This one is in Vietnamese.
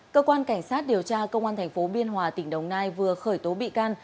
cơ quan cảnh sát điều tra công an tp biên hòa tỉnh đồng nai vừa khởi tố bị can